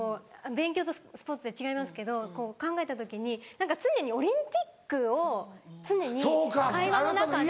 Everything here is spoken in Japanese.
勉強とスポーツで違いますけどこう考えた時に常にオリンピックを常に会話の中で。